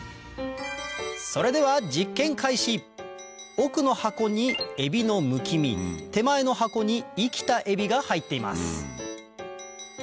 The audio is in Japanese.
それでは奥の箱にエビのむき身手前の箱に生きたエビが入っています